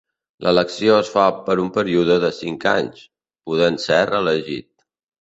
L'elecció es fa per a un període de cinc anys, podent ser reelegit.